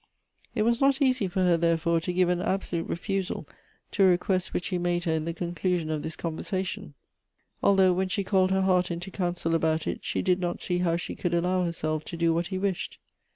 It was not easy for her, therefore, to give an absolute refusal to a request which he made her in the conclusion of this conversation, 208 Goethe's althongh when she called her heart into counsel abont it she did not see how she could allow herself to do what he wished.